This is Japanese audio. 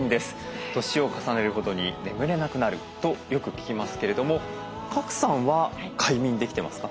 年を重ねるほどに眠れなくなるとよく聞きますけれども賀来さんは快眠できてますか？